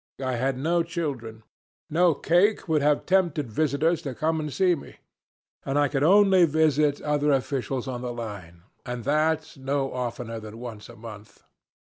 I had no children, no cake would have tempted visitors to come and see me, and I could only visit other officials on the line, and that no oftener than once a month.